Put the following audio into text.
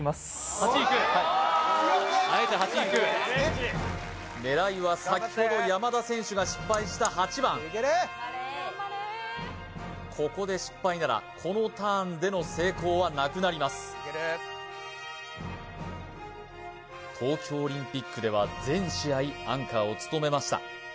８いくあえて８いく狙いは先ほど山田選手が失敗した８番ここで失敗ならこのターンでの成功はなくなります東京オリンピックでは全試合アンカーを務めました